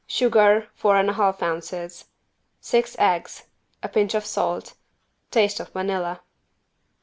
Sugar, four and a half ounces. Six eggs. A pinch of salt. Taste of vanilla.